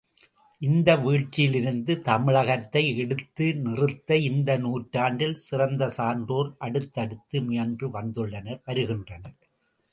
இந்த வீழ்ச்சியிலிருந்து தமிழகத்தை எடுத்து நிறுத்த இந்த நூற்றாண்டில் சிறந்த சான்றோர் அடுத்தடுத்து முயன்று வந்துள்ளனர் வருகின்றனர்.